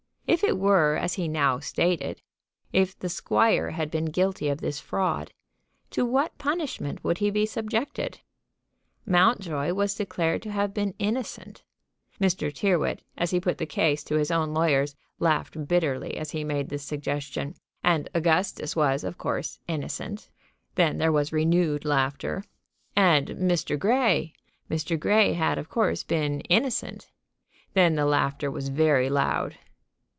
If it were as he now stated, if the squire had been guilty of this fraud, to what punishment would he be subjected? Mountjoy was declared to have been innocent. Mr. Tyrrwhit, as he put the case to his own lawyers, laughed bitterly as he made this suggestion. And Augustus was, of course, innocent. Then there was renewed laughter. And Mr. Grey! Mr. Grey had, of course, been innocent. Then the laughter was very loud.